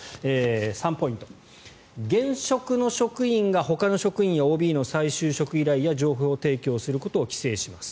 ３ポイント現職の職員がほかの職員やＯＢの再就職依頼や情報提供することを規制します。